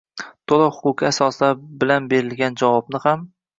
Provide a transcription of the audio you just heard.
To‘liq huquqiy asoslar bilan berilgan javobni ham